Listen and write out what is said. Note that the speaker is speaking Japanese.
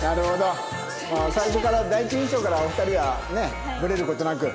最初から第一印象からお二人はねブレる事なく。